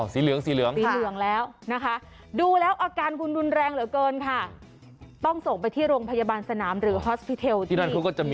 สีเหลืองสีเหลืองสีเหลืองแล้วนะคะดูแล้วอาการคุณรุนแรงเหลือเกินค่ะต้องส่งไปที่โรงพยาบาลสนามหรือฮอสพิเทลที่นั่นเขาก็จะมี